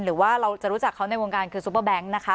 หรือว่าเราจะรู้จักเขาในวงการคือซุปเปอร์แบงค์นะคะ